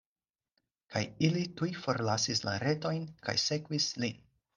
Kaj ili tuj forlasis la retojn, kaj sekvis lin.